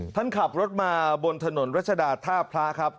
ท่านขับรถมาบนถนนรัชดาท่าพระครับ